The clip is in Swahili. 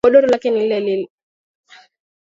Godoro lake ni lile.